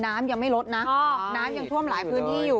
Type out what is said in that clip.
น้ำยังไม่ลดนะน้ำยังท่วมหลายพื้นที่อยู่